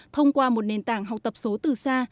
thông qua một nền tảng học tập số từ xa